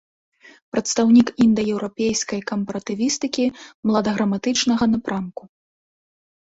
Прадстаўнік індаеўрапейскай кампаратывістыкі младаграматычнага напрамку.